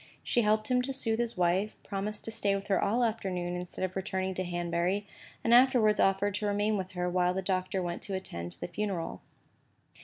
She helped him to soothe his wife, promised to stay with her all the afternoon instead of returning to Hanbury, and afterwards offered to remain with her while the Doctor went to attend the funeral.